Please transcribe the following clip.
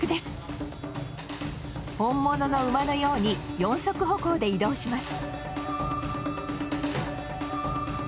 本物の馬のように４足歩行で移動します。